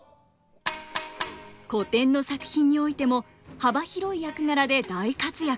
古典の作品においても幅広い役柄で大活躍。